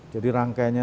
sepuluh jadi rangkaiannya